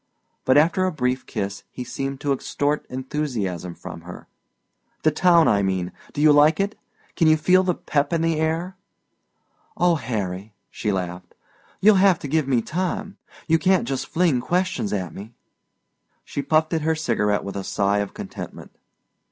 But after a brief kiss he seemed to extort enthusiasm from her. "The town, I mean. Do you like it? Can you feel the pep in the air?" "Oh, Harry," she laughed, "you'll have to give me time. You can't just fling questions at me." She puffed at her cigarette with a sigh of contentment.